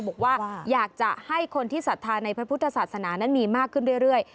บอกว่าอยากจะให้คนที่ศรัทธาในพระพุทธศาสนานั้นมีมากขึ้นเรื่อย